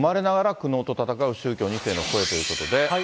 生まれながら苦悩と戦う宗教２世の声ということで。